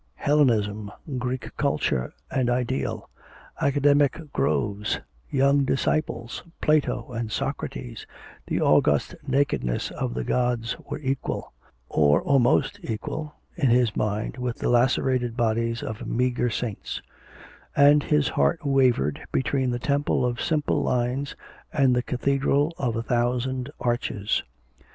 Hellenism, Greek culture and ideal; academic groves; young disciples, Plato and Socrates, the august nakedness of the Gods were equal, or almost equal, in his mind with the lacerated bodies of meagre saints; and his heart wavered between the temple of simple lines and the cathedral of a thousand arches.